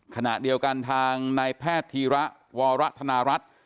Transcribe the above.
ขณะเดียวกันทางนายแพทย์ธีระวรธนารัฐ